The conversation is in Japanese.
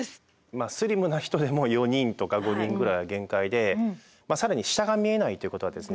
まあスリムな人でも４人とか５人ぐらいが限界で更に下が見えないということはですね。